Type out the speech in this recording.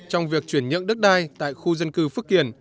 trong việc chuyển nhượng đất đai tại khu dân cư phước kiển